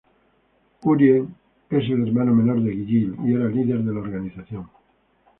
Urien es el hermano menor de Gill y era líder de la organización.